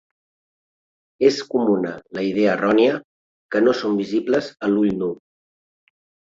És comuna la idea errònia que no són visibles a l'ull nu.